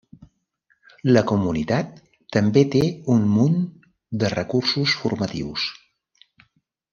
La comunitat també té un munt de recursos formatius.